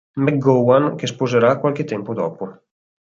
McGowan che sposerà qualche tempo dopo.